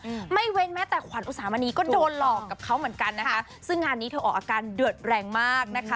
อืมไม่เว้นแม้แต่ขวัญอุสามณีก็โดนหลอกกับเขาเหมือนกันนะคะซึ่งงานนี้เธอออกอาการเดือดแรงมากนะคะ